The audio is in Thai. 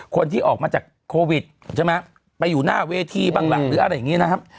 คนที่ออกมาจากโควิดใช่ไหมไปอยู่หน้าเวทีบ้างล่ะหรืออะไรอย่างนี้นะครับ